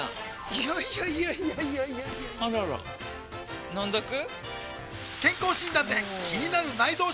いやいやいやいやあらら飲んどく？